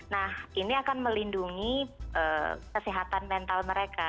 nah ini akan melindungi kesehatan mental mereka